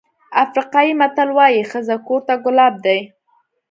افریقایي متل وایي ښځه کور ته ګلاب دی.